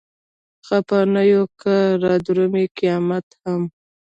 خپه نه يو که رادرومي قيامت هم